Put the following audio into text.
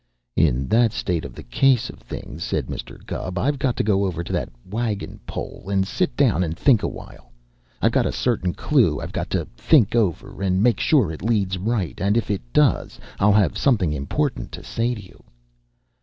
"In that state of the case of things," said Mr. Gubb, "I've got to go over to that wagon pole and sit down and think awhile. I've got a certain clue I've got to think over and make sure it leads right, and if it does I'll have something important to say to you."